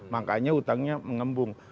makanya hutangnya mengembung